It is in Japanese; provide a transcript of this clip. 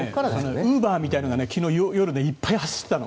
ウーバーみたいなのが昨日夜、いっぱい走ってたの。